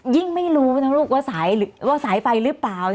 ไม่รู้นะลูกว่าสายไฟหรือเปล่า